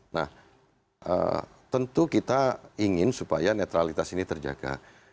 nah tentu kita ingin supaya netralitas ini terjaga